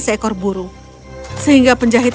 seekor burung sehingga penjahit